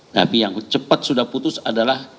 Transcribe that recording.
tapi yang cepat sudah putus adalah